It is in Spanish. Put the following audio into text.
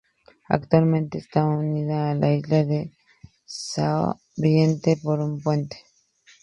Actualmente está unida a la isla de São Vicente por un puente.